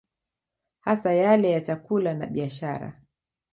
Hasa yale ya chakula na biashara